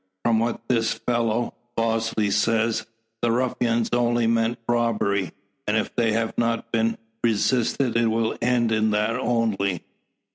From what this fellow, Bosley, says, the ruffians only meant robbery, and if they have not been resisted it will end in that only.